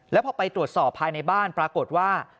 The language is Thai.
แล้วพอไปตรวจสอบภายในบ้านปรากฏว่า